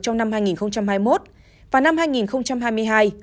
trong năm hai nghìn hai mươi một và năm hai nghìn hai mươi hai